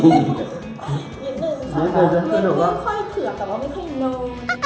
นิดหนึ่งค่ะ